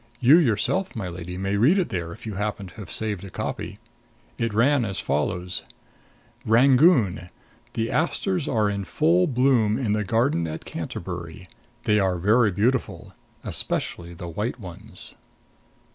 You yourself, my lady, may read it there if you happen to have saved a copy. It ran as follows: "RANGOON: The asters are in full bloom in the garden at Canterbury. They are very beautiful especially the white ones."